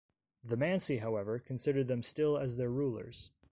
The Mansi, however, considered them still as their rulers.